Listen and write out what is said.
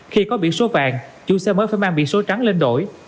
khi có biển số vàng chủ xe mới phải mang biển số trắng lên đổi